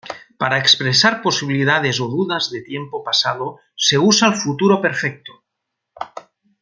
Para expresar posibilidades o dudas de tiempo pasado se usa el futuro perfecto.